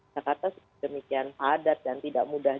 jakarta demikian padat dan tidak mudah